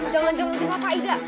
jangan jangan gimana kak aida